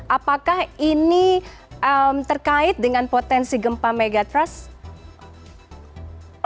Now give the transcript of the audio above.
apakah ini terkait dengan potensi gempa megatrust